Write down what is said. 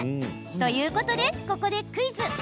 ということで、ここでクイズ。